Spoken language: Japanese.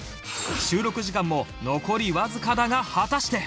収録時間も残りわずかだが果たして